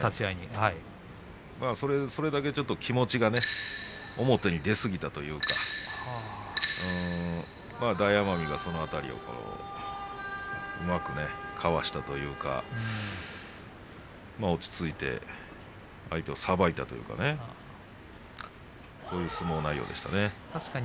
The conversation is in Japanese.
それだけ気持ちが表に出すぎたというか大奄美がその辺りうまくかわしたというか落ち着いて相手をさばいたというかそういう相撲内容でしたね。